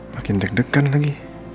makin deg degan lagi